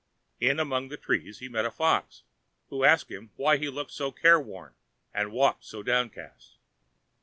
In among the trees he met a fox, who asked him why he looked so careworn and walked so downcast.